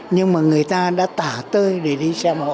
nhưng mà người ta đã tả tơi để đi